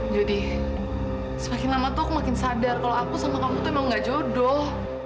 semakin lama tuh aku makin sadar kalau aku sama kamu tuh emang gak jodoh